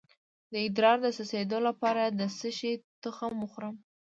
د ادرار د څڅیدو لپاره د څه شي تخم وخورم؟